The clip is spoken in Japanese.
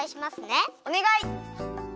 おねがい！